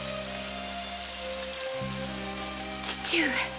父上。